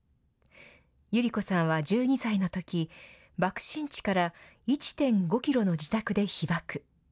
百合子さんは１２歳のとき爆心地から１．５キロの自宅で被爆。